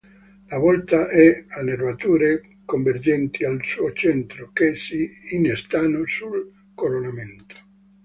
La volta è a nervature convergenti al suo centro che si innestano sul coronamento.